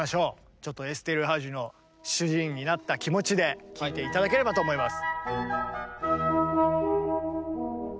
ちょっとエステルハージの主人になった気持ちで聴いて頂ければと思います。